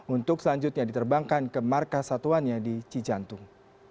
untuk selanjutnya diterbangkan ke markas satuannya di cijantung